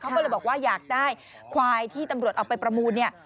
เขาก็เลยบอกว่าอยากได้ควายที่ตำรวจเอาไปประมูลเนี่ย